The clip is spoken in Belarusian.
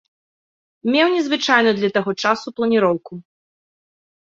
Меў незвычайную для таго часу планіроўку.